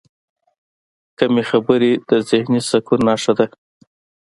کمې خبرې، د ذهني سکون نښه ده.